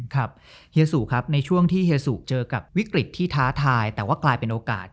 เฮียสุครับในช่วงที่เฮียสุเจอกับวิกฤตที่ท้าทายแต่ว่ากลายเป็นโอกาส